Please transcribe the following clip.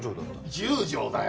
１０畳だよ。